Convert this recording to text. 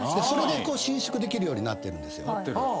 それで伸縮できるようになってるんですよ。